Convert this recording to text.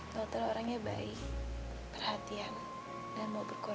dokter orangnya baik perhatian dan mau berkorban